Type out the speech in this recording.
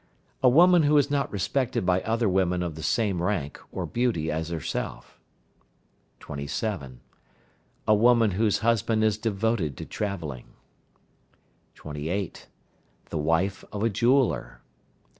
A woman who is not respected by other women of the same rank or beauty as herself. 27. A woman whose husband is devoted to travelling. 28. The wife of a jeweller.